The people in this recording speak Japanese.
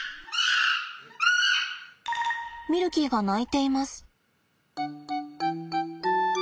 ミルキーが鳴いています。